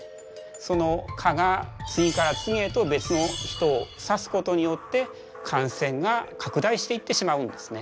その蚊が次から次へと別の人を刺すことによって感染が拡大していってしまうんですね。